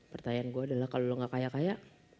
pertanyaan gue adalah kalau lo gak kaya kaya